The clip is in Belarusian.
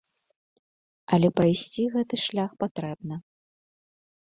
Але прайсці гэты шлях патрэбна.